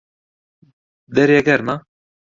دەرێ گەرمە؟